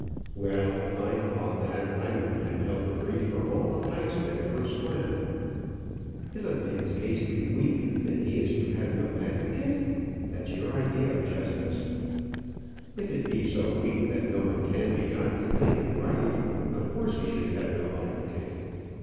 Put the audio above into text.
"Well, if I'd thought that, I wouldn't have held the brief for all the Pikes that ever swam." "If a man's case be weak, then, he is to have no advocate? That's your idea of justice." "If it be so weak that no one can be got to think it right, of course he should have no advocate."